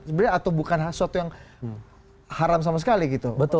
sebenarnya atau bukan sesuatu yang haram sama sekali gitu